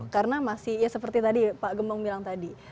karena masih ya seperti tadi pak gembong bilang tadi